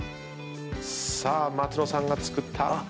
さあ松野さんが作った。